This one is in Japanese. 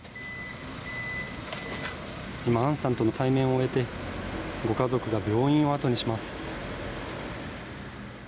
今、杏さんとの対面を終えてご家族が病院をあとにします。